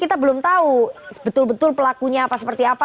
kita belum tahu betul betul pelakunya apa seperti apa